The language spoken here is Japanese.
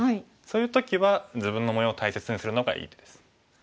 そういう時は自分の模様を大切にするのがいい手です。